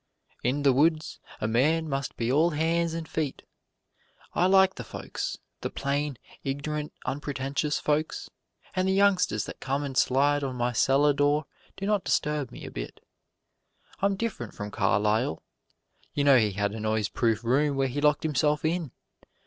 "In the woods, a man must be all hands and feet. I like the folks, the plain, ignorant, unpretentious folks; and the youngsters that come and slide on my cellar door do not disturb me a bit. I'm different from Carlyle you know he had a noise proof room where he locked himself in.